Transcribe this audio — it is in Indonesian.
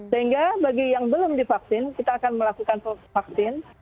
sehingga bagi yang belum divaksin kita akan melakukan vaksin